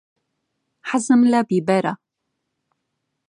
حەزم لە بیبەرە.